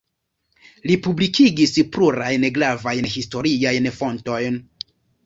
Li publikigis plurajn gravajn historiajn fontojn.